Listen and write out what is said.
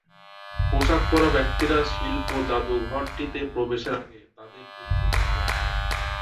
পোশাক পরা ব্যক্তিরা শিল্প জাদুঘরটিতে প্রবেশের আগে তাঁদের এই সুযোগ দেওয়া হয়।